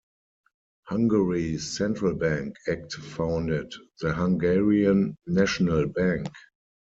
Hungary's Central Bank Act founded the Hungarian National Bank.